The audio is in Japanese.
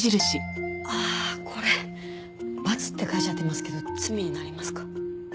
あっこれバツって書いちゃってますけど罪になりますか？